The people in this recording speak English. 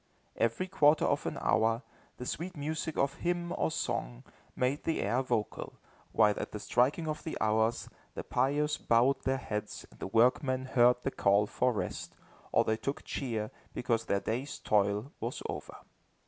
Every quarter of an hour, the sweet music of hymn or song, made the air vocal, while at the striking of the hours, the pious bowed their heads and the workmen heard the call for rest, or they took cheer, because their day's toil was over.